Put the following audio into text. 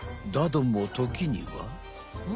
だどもときには。